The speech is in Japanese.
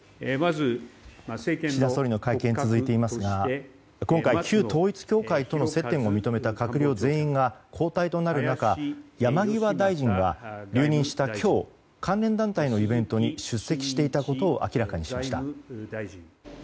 岸田総理の会見が続いていますが今回、旧統一教会との接点を認めた閣僚全員が交代となる中、山際大臣は留任した今日、関連団体のイベントに出席していたことを明らかにしました。